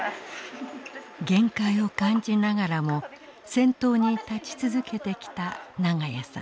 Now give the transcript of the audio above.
限界を感じながらも先頭に立ち続けてきた長屋さん。